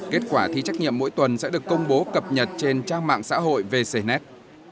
kết quả thi trắc nghiệm mỗi tuần sẽ được công bố cập nhật trên trang mạng xã hội vcnet